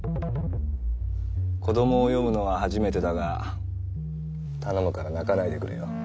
子供を読むのは初めてだが頼むから泣かないでくれよ。